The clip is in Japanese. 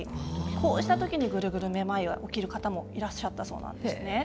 こうした時にグルグルめまいが起きる方もいらっしゃったそうです。